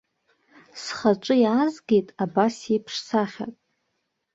Схаҿы иаазгеит абасеиԥш сахьак.